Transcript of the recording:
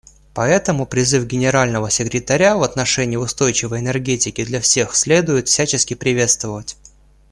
Поэтому призыв Генерального секретаря в отношении устойчивой энергетики для всех следует всячески приветствовать.